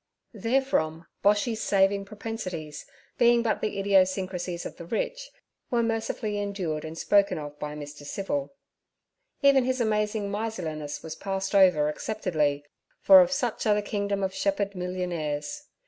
Therefrom Boshy's saving propensities, being but the idiosyncrasies of the rich, were mercifully endured and spoken of by Mr. Civil. Even his amazing miserliness was passed over acceptedly, for of such are the kingdom of shepherd millionaires.